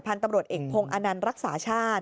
พันธุ์ตำรวจเอกพงศ์อานันรักษาชาติ